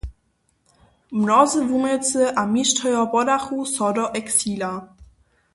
Mnozy wuměłcy a mištrojo podachu so do eksila.